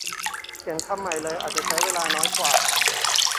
เขียนคำใหม่เลยอาจใช้เวลาน้อยกว่า